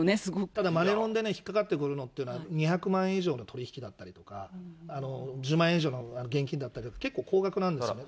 ただマネロンで引っ掛かってくるのっていうのは、２００万円以上の取り引きだったりとか、１０万円以上だったり現金だったり、結構高額なんですよね。